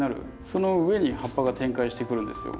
その上に葉っぱが展開してくるんですよ。